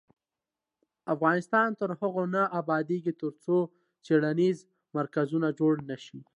افغانستان تر هغو نه ابادیږي، ترڅو څیړنیز مرکزونه جوړ نشي.